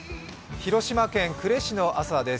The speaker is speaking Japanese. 広島県呉市の朝です。